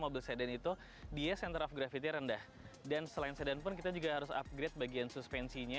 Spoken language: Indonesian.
mobil sedan itu dia center of gravity rendah dan selain sedan pun kita juga harus upgrade bagian suspensinya